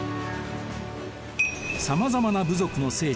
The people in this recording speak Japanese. さまざまな部族の聖地